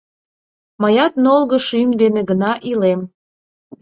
Мыят нолго шӱм дене гына илем.